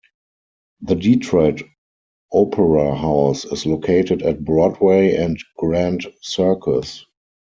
The Detroit Opera House is located at Broadway and Grand Circus.